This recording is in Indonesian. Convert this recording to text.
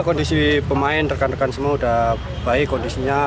ya kondisi pemain rekan rekan semua udah baik kondisinya